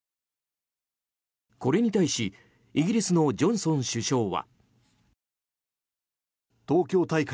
これに対しイギリスのジョンソン首相は。